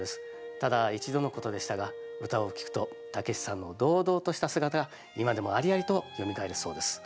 ただ一度のことでしたが唄を聴くと武司さんの堂々とした姿が今でもありありとよみがえるそうです。